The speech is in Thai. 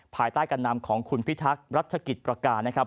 ภายใต้การนำของคุณพิทักษ์รัชกิจประการนะครับ